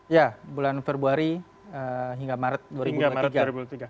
ya bulan februari hingga maret dua ribu dua puluh tiga